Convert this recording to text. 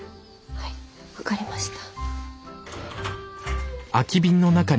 はい分かりました。